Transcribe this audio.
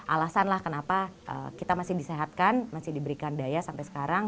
alasanlah kenapa kita masih disehatkan masih diberikan daya sampai sekarang